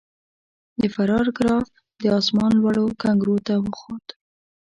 د فرار ګراف د اسمان لوړو کنګرو ته وخوت.